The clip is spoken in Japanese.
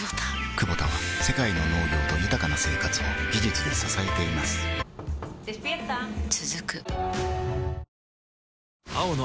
クボタは世界の農業と豊かな生活を技術で支えています起きて。